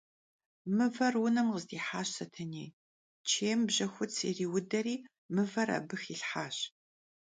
Mıver vunem khızdihaş Setenêy, çêym bjexuts yiriuderi mıver abı xilhhaş.